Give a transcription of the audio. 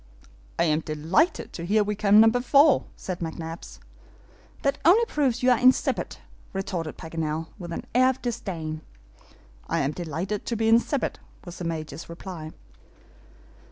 "I am delighted to hear we come number four," said McNabbs. "That only proves you are insipid," retorted Paganel, with an air of disdain. "I am delighted to be insipid," was the Major's reply.